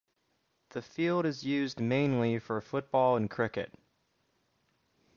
The field is used mainly for football and cricket.